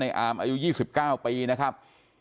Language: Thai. อามอายุ๒๙ปีนะครับ